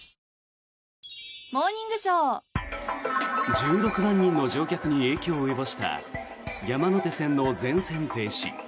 １６万人の乗客に影響を及ぼした山手線の全線停止。